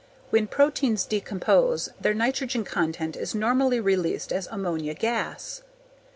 When proteins decompose their nitrogen content is normally released as ammonia gas.